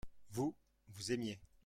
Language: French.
vous, vous aimiez.